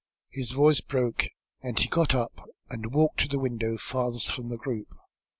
His voice broke, and he got up and walked to the window farthest from the group.